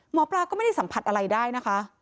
หมอปลาก็ไม่ได้สัมผัสอะไรได้นะคะ